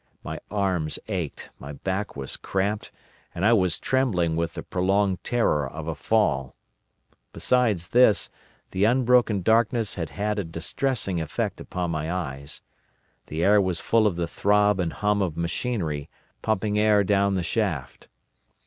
My arms ached, my back was cramped, and I was trembling with the prolonged terror of a fall. Besides this, the unbroken darkness had had a distressing effect upon my eyes. The air was full of the throb and hum of machinery pumping air down the shaft.